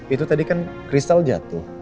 itu tadi kan kristal jatuh